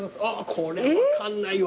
これ分かんないわ。